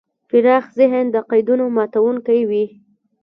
پراخ ذهن د قیدونو ماتونکی وي.